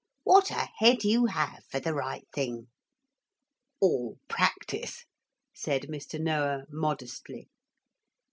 'What a head you have for the right thing.' 'All practice,' said Mr. Noah modestly.